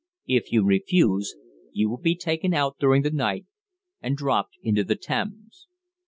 If you refuse, you will be taken out during the night, and dropped into the Thames."